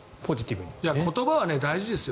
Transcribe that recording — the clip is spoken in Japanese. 言葉は大事ですよ。